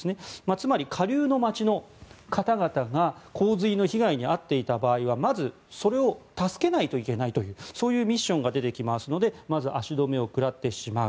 つまり、下流の街の方々が洪水の被害に遭っていた場合はまずそれを助けないといけないというミッションが出てきますのでまず足止めを食らってしまう。